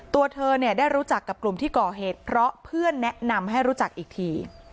ตัวเธอเนี่ยได้รู้จักกับกลุ่มที่ก่อเหตุเพราะเพื่อนแนะนำให้รู้จักอีกที